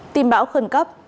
tìm bão khuẩn cấp